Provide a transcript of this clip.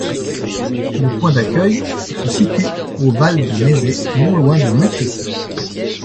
Le point d'accueil se situe au Val de Maizet, non loin de Mutrécy.